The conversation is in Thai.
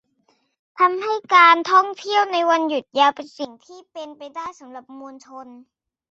ทำให้การท่องเที่ยวในวันหยุดยาวเป็นสิ่งที่เป็นไปได้สำหรับมวลชน